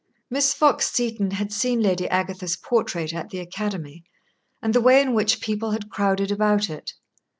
Miss Fox Seton had seen Lady Agatha's portrait at the Academy and the way in which people had crowded about it.